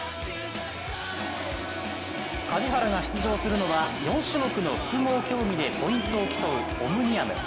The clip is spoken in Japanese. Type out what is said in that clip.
梶原が出場するのは４種目の複合競技でポイントを競うオムニアム。